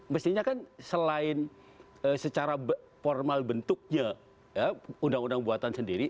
mestinya kan selain secara formal bentuknya undang undang buatan sendiri